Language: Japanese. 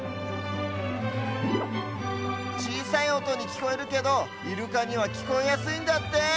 ちいさいおとにきこえるけどイルカにはきこえやすいんだって。